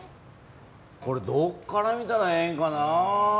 これどっから見たらええんかな？